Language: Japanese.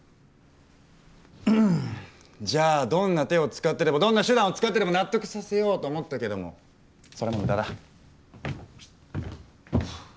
じゃあどんな手を使ってでもどんな手段を使ってでも納得させようと思ったけどもそれも無駄だ。